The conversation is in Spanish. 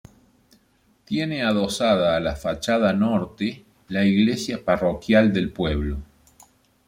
Tiene adosada a la fachada norte la iglesia parroquial del pueblo.